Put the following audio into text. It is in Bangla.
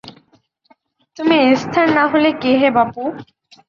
তুমি এস্থার না হলে, কে হে বাপু?